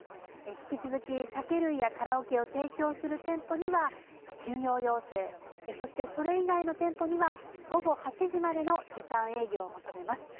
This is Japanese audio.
引き続き、酒類やカラオケを提供する店舗には休業要請、そしてそれ以外の店舗には、午後８時までの時短営業を求めます。